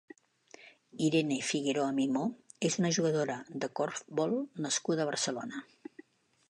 Irene Figueroa Mimó és una jugadora de corfbol nascuda a Barcelona.